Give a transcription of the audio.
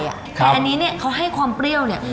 แต่อันนี้เนี่ยเขาให้ความเปรี้ยวเนี่ย